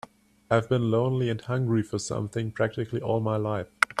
I've been lonely and hungry for something practically all my life.